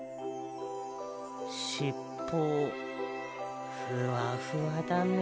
しっぽふわふわだね。